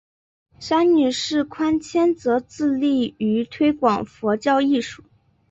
三女释宽谦则致力于推广佛教艺术。